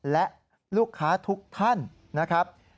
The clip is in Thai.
และลูกค้าทุกท่านนะครับ